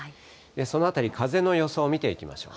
そのあたり、風の予想見ていきましょう。